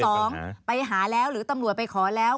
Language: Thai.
สองไปหาแล้วหรือตำรวจไปขอแล้ว